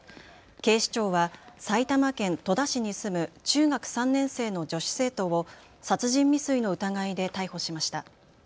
警視庁は埼玉県戸田市に住む中学３年生の女子生徒を殺人未遂の疑いで逮捕しました。